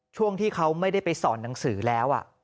ช่วงที่เขาไม่ได้ไปสอนหนังสือแล้ว